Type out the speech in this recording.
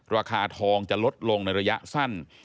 ราคาทองจะลดลงในระยะสั้น